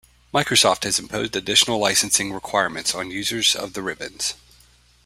Microsoft has imposed additional licensing requirements on users of the ribbons.